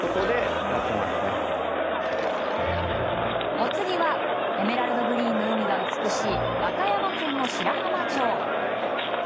お次はエメラルドグリーンの海が美しい、和歌山県の白浜町。